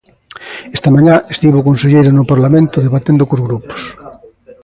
Esta mañá estivo o conselleiro no Parlamento debatendo cos grupos.